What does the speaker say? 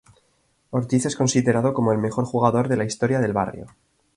Ortiz es considerado como el mejor jugador de la historia del barrio.